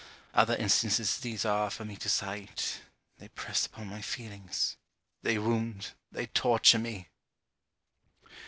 Other instances there are for me to cite: They press upon my feelings they wound they torture me!